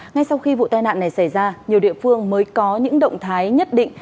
ngay sau khi vụ tai nạn này xảy ra nhiều địa phương mới có những động thái nhất định